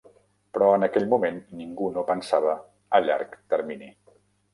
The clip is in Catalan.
Però, en aquell moment, ningú no pensava a llarg termini.